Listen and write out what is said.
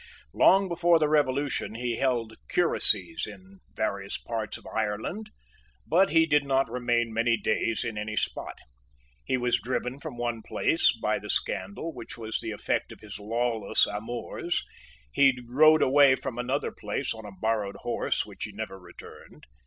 Long before the Revolution he held curacies in various parts of Ireland; but he did not remain many days in any spot. He was driven from one place by the scandal which was the effect of his lawless amours. He rode away from another place on a borrowed horse, which he never returned.